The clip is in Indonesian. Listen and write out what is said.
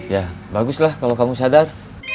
ya baguslah kalau kamu sadar